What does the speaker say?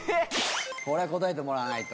これは答えてもらわないと。